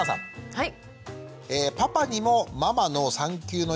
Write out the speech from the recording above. はい。